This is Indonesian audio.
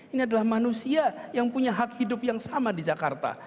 ini adalah manusia yang punya hak hidup yang sama di jakarta